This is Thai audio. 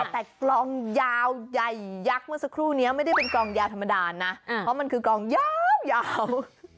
แต่กลองยาวใหญ่ยักษ์เมื่อสักครู่นี้ไม่ได้เป็นกลองยาวธรรมดานะเพราะมันคือกลองยาว